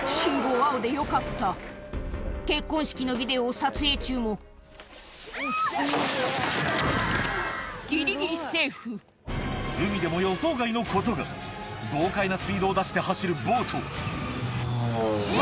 青でよかった結婚式のビデオを撮影中もギリギリセーフ海でも予想外のことが豪快なスピードを出して走るボートうわ！